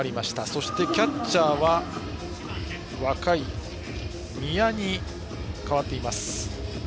そしてキャッチャーは若い味谷に代わっています。